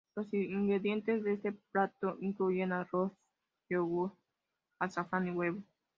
Los ingredientes de este plato incluyen arroz, yogur, azafrán y huevo.